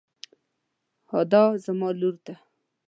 هُدا زما لور ده.